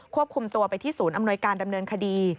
คุมตัวไปที่ศูนย์อำนวยการดำเนินคดี